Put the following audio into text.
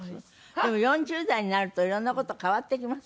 でも４０代になると色んな事変わってきます？